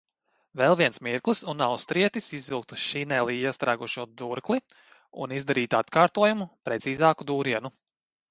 Vēl viens mirklis un austrietis izvilktu šinelī iestrēgušo durkli, un izdarītu atkārtojumu, precīzāku dūrienu.